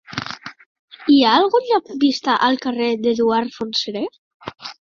Hi ha algun lampista al carrer d'Eduard Fontserè?